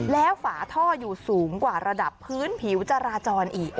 แล้วฝาท่ออยู่สูงกว่าระดับพื้นผิวจราจรอีก